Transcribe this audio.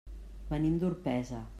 Venim d'Orpesa.